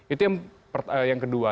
itu yang kedua